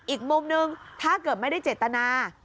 อีกมุมนึงถ้าเกิดไม่ได้เจตนา